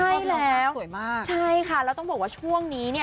ใช่แล้วสวยมากใช่ค่ะแล้วต้องบอกว่าช่วงนี้เนี่ย